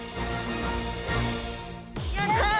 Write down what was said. やった！